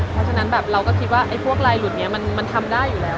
เพราะฉะนั้นแบบเราก็คิดว่าพวกลายหลุดนี้มันทำได้อยู่แล้ว